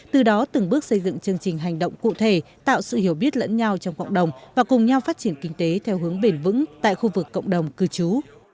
từ đó từng bước xây dựng chương trình hành động cụ thể tạo sự hiểu biết lẫn nhau trong cộng đồng và cùng nhau phát triển kinh tế theo hướng bền vững tại khu vực cộng đồng cư trú